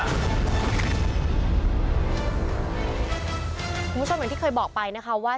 คุณผู้ชมอย่างที่เคยบอกไปนะคะว่า